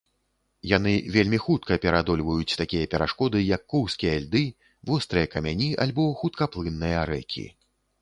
Яны вельмі хутка пераадольваюць такія перашкоды, як коўзкія льды, вострыя камяні альбо хуткаплынныя рэкі.